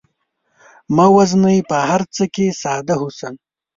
مه وژنئ په هر څه کې ساده حسن